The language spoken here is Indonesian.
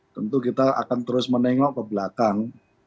tentu kita akan terus menengok ke belakang